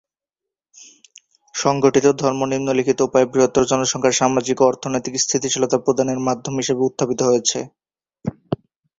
সংগঠিত ধর্ম নিম্নলিখিত উপায়ে বৃহত্তর জনসংখ্যার সামাজিক ও অর্থনৈতিক স্থিতিশীলতা প্রদানের মাধ্যম হিসাবে উত্থাপিত হয়েছেঃ